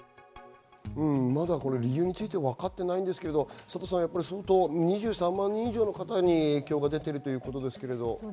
まだ理由については分かっていないですけど、サトさん、２３万人以上の方に影響が出ているということですけれど。